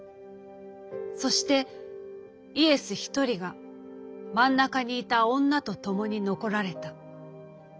そしてイエス一人が真ん中にいた女とともに残られた。